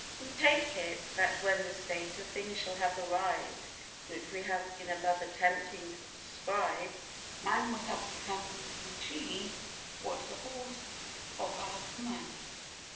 We take it that when the state of things shall have arrived which we have been above attempting to describe, man will have become to the machine what the horse and the dog are to man.